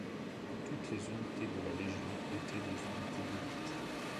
Toutes les unités de la Légion étaient des unités d'élite.